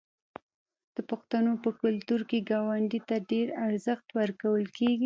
د پښتنو په کلتور کې ګاونډي ته ډیر ارزښت ورکول کیږي.